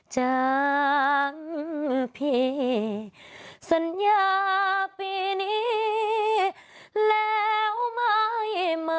วุ้ววอุ้ย